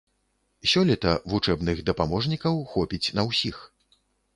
Сёлета вучэбных дапаможнікаў хопіць на усіх.